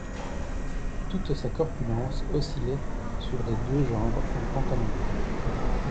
Toute sa corpulence oscillait sur les deux jambes en pantalon blanc.